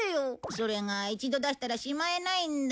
それが一度出したらしまえないんだ。